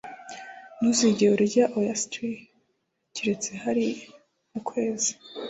ntuzigere urya oyster keretse hari r mu kwezi